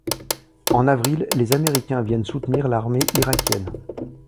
En avril, les Américains viennent soutenir l'armée irakienne.